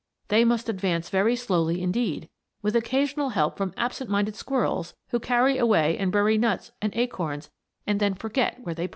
They must advance very slowly indeed, with occasional help from absent minded squirrels who carry away and bury nuts and acorns and then forget where they put them.